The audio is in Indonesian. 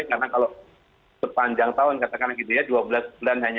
karena kalau sepanjang tahun katakanlah gitu ya dua belas bulan hanya